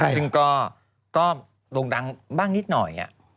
ซึ่งก็โด่งดังบ้างนิดหน่อย